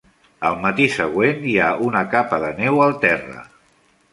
El matí següent hi ha una capa de neu al terra.